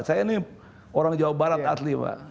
saya ini orang jawa barat ahli pak